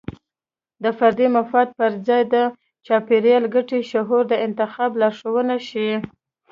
د فردي مفاد پر ځای د چاپیریال ګټې شعور د انتخاب لارښود شي.